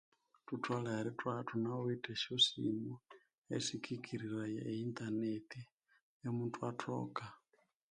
Thutholere ithwabya ithunawithe esyosimu esikikiriraya eyintaneti imuthwathoka